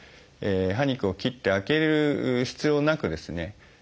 歯肉を切って開ける必要なくですね